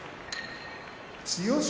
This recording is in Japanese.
千代翔